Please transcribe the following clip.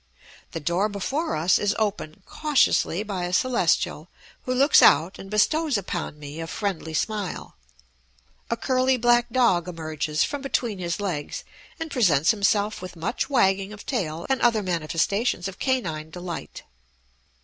The door before us is opened cautiously by a Celestial who looks out and bestows upon mo a friendly smile. A curly black dog emerges from between his legs and presents himself with much wagging of tail and other manifestations of canine delight.